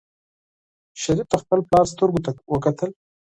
شریف د خپل پلار سترګو ته وکتل.